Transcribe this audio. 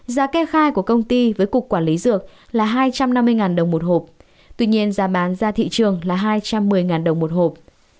giá kê khai của công ty với cục quản lý dược là hai trăm năm mươi đồng một hộp tuy nhiên giá bán ra thị trường là hai trăm một mươi đồng một hộp